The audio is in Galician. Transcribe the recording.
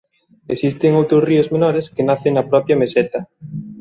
Existen outros ríos menores que nacen na propia meseta.